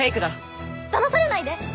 だまされないで。